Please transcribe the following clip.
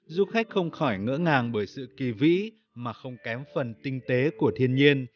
du khách không khỏi ngỡ ngàng bởi sự kỳ vĩ mà không kém phần tinh tế của thiên nhiên